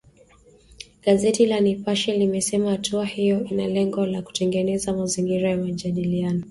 Gazeti la Nipashe limesema hatua hiyo ina lengo la kutengeneza mazingira ya majadiliano.